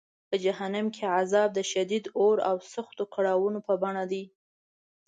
په جهنم کې عذاب د شدید اور او سختو کړاوونو په بڼه دی.